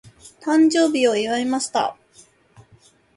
誕生日を祝いました。